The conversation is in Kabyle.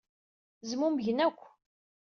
Zmumgen akk.